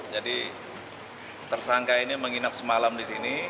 jadi tersangka ini menginap semalam di sini